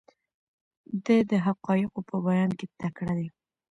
دی د حقایقو په بیان کې تکړه دی.